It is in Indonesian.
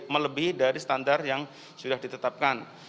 melebih dari standar yang sudah ditetapkan